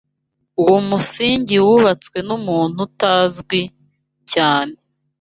Uwo musingi wubatswe n’umuntu utari uzwi cyane.